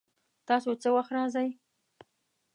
تاسو څه وخت راځئ؟